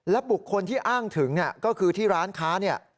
บุคคลที่อ้างถึงก็คือที่ร้านค้าเนี่ย